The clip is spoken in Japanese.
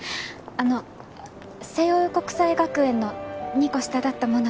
あの西櫻国際学園の２個下だった者です。